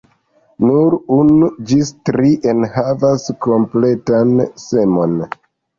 Nur unu ĝis tri enhavas kompletan semon.